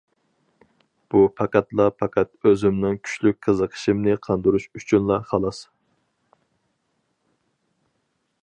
بۇ پەقەتلا پەقەت ئۆزۈمنىڭ كۈچلۈك قىزىقىشىمنى قاندۇرۇش ئۈچۈنلا خالاس.